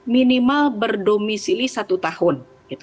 minimal berdomisili satu tahun